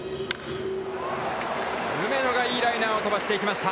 梅野がいいライナーを飛ばしていきました。